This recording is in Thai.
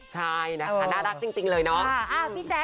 ใช่นะคะน่ารักจริงเลยเนาะ